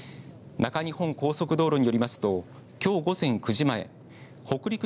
中日本高速道路によりますときょう午前９時前